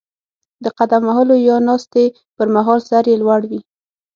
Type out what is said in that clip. د قدم وهلو یا ناستې پر مهال سر یې لوړ وي.